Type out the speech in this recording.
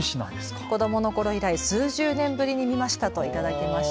子どものころ以来、数十年ぶりに見ましたと頂きました。